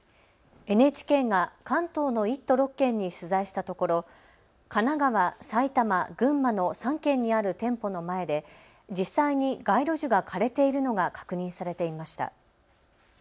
ＮＨＫが関東の１都６県に取材したところ、神奈川、埼玉、群馬の３県にある店舗の前で実際に街路樹が枯れているのが確認されていました。